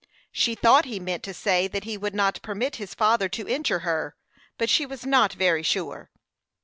She thought he meant to say that he would not permit his father to injure her; but she was not very sure.